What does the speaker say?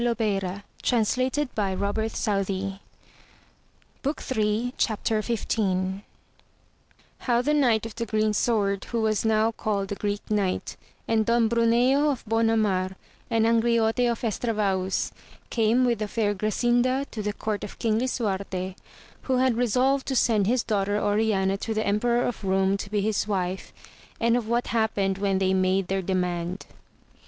Florestan then kissed her hand, and departed. Chap. XV. — How the Knight of the Green Sword who was now called the Greek Knight, and Don Bruneo of Bonamar and Angriote of Estravaus came with the fair Grasinda to the court of King Lisuarte, who had resolved to send his daughter Oriana to the Emperor of Brome to be his wife, and of what happened when they made their demand.